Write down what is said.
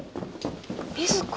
瑞子。